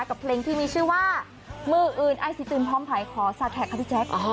กับเพลงที่มีชื่อว่ามืออื่นไอซิติมพร้อมไยขอสาแท็กค่ะพี่แจ๊ค